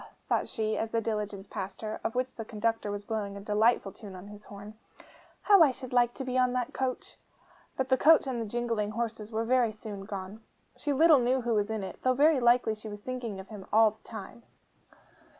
thought she, as the diligence passed her, of which the conductor was blowing a delightful tune on his horn, 'how I should like to be on that coach!' But the coach and the jingling horses were very soon gone. She little knew who was in it, though very likely she was thinking of him all the time.